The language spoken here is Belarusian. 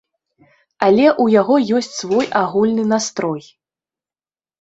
Але ў яго ёсць свой агульны настрой.